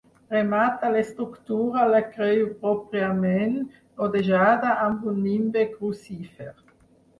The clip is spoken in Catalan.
Remata l'estructura la creu pròpiament, rodejada amb un nimbe crucífer.